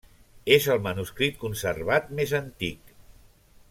És el manuscrit conservat més antic.